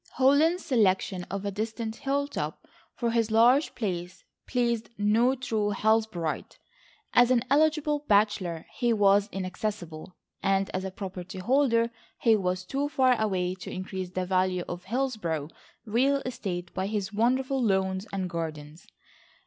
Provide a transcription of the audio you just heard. Holland's selection of a distant hilltop for his large place pleased no true Hillsboroughite. As an eligible bachelor he was inaccessible, and as a property holder he was too far away to increase the value of Hillsborough real estate by his wonderful lawns and gardens.